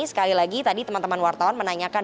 sekali lagi tadi teman teman wartawan menanyakan